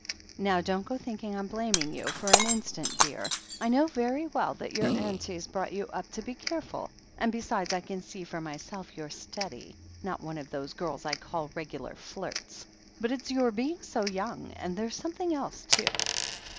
"Now don't go thinking Fm blaxning you for an instant, dear. I know very well that your auntie's brought you up to be careful, and, besides, I can see for myself you're steady — ^not one of those girls I call regular flirts. But it's your being so young, and there's something else too."